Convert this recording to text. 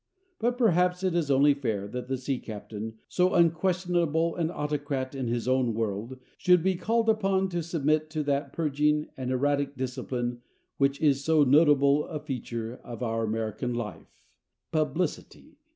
But perhaps it is only fair that the sea captain, so unquestionable an autocrat in his own world, should be called upon to submit to that purging and erratic discipline which is so notable a feature of our American life publicity!